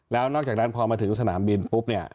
แล้วนอกจากนั้นพอมาถึงสนามบินปุ๊บเนี่ย